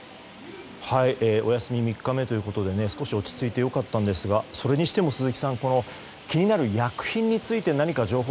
お休み３日目ということで少し落ち着いて良かったんですがそれにしても鈴木さん気になる薬品についての情報